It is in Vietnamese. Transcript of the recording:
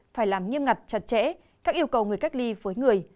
phải làm nghiêm ngặt chặt chẽ các yêu cầu người cách ly với người